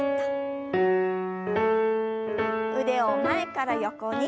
腕を前から横に。